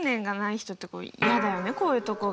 こういうとこが。